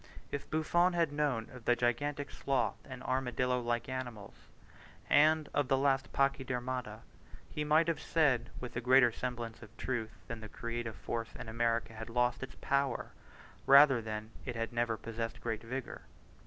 If Buffon had known of the gigantic sloth and armadillo like animals, and of the lost Pachydermata, he might have said with a greater semblance of truth that the creative force in America had lost its power, rather than that it had never possessed great vigour.